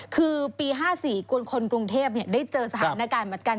คือปี๕๔คนกรุงเทพได้เจอสถานการณ์เหมือนกัน